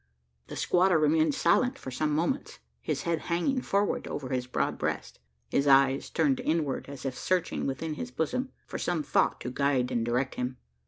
The squatter remained silent for some moments his head hanging forward over his broad breast his eyes turned inward, as if searching within his bosom for some thought to guide and direct him.